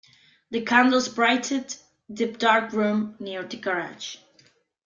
The candles brightened the dark room near to the garage.